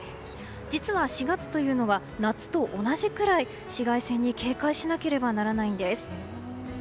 実は４月というのは夏と同じくらい紫外線に警戒しなければならないんです。